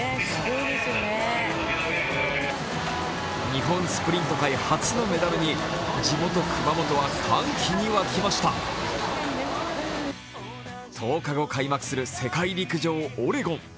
日本スプリント界初のメダルに地元・熊本は歓喜に沸きました１０日後開幕する世界陸上オレゴン。